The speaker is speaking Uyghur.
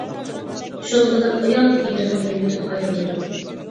شۇنىڭ بىلەن ئايال ئېرىنىڭ ئۆيىدىن ئايرىلىدۇ.